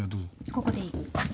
ここでいい。